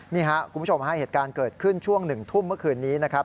นี่ครับคุณผู้ชมฮะเหตุการณ์เกิดขึ้นช่วง๑ทุ่มเมื่อคืนนี้นะครับ